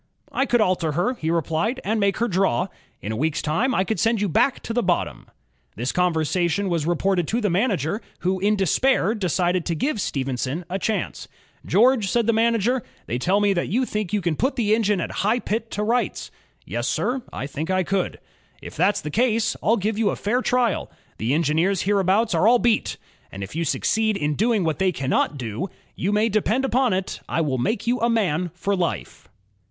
" ''I could alter her," he replied, *'and make her draw. In a week's time I could send you back to the bottom." This conversation was reported to the manager, who in despair decided to give Stephenson a chance. "George," said the manager, "they tell me that you think you can put the engine at High Pit to rights." "Yes, sir, I think I could." "If that's the case, I'll give you a fair trial. ... The engineers hereabouts are all beat; and if you succeed in doing what they cannot do, you may depend upon it, I will make you a man for life."